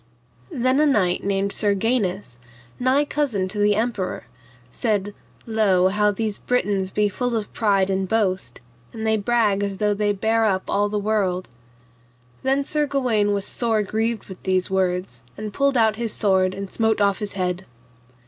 Then a knight named Sir Gainus, nigh cousin to the emperor, said, Lo, how these Britons be full of pride and boast, and they brag as though they bare up all the world. Then Sir Gawaine was sore grieved with these words, and pulled out his sword and smote off his head.